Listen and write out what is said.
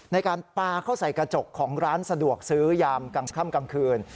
ในการปลาเข้าใส่กระจกของร้านสะดวกซื้อยามกลางค่ำกลางคืน